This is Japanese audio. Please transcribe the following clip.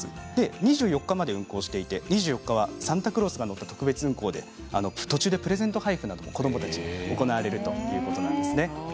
２４日まで運行していて２４日はサンタクロースが乗った特別運行で、途中でプレゼント配布も子どもたちに行われるということです。